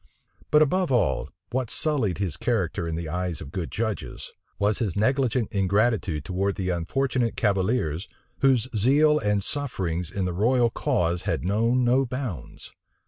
But above all, what sullied his character in the eyes of good judges, was his negligent ingratitude towards the unfortunate cavaliers, whose zeal and sufferings in the royal cause had known no bounds.